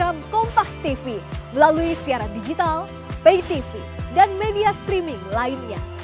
melalui siaran digital pay tv dan media streaming lainnya